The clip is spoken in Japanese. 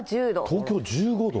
東京１５度？